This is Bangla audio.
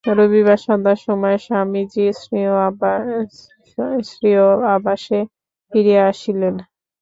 রবিবার সন্ধ্যার সময় স্বামীজী স্বীয় আবাসে ফিরিয়া আসিলেন।